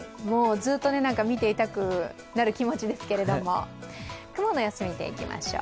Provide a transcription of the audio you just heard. ずっと見ていたくなる気持ちですけれども、雲の様子を見ていきましょう。